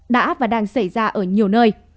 đã và đang xảy ra ở nhiều nơi